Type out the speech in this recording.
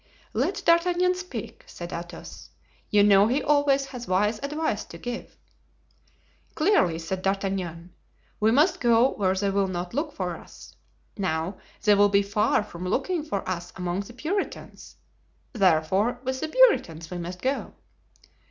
"Let D'Artagnan speak," said Athos; "you know he always has wise advice to give." "Clearly," said D'Artagnan, "we must go where they will not look for us. Now, they will be far from looking for us among the Puritans; therefore, with the Puritans we must go."